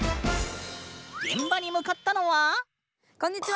現場に向かったのはこんにちは！